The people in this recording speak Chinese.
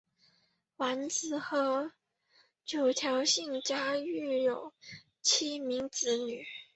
完子和九条幸家育有七名子女。